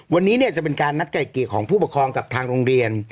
วันนี้เนี่ยจะเป็นการนัดไก่เกลียของผู้ปกครองกับทางโรงเรียน